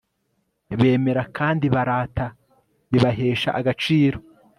bemera kandi barata, bibahesha agaciro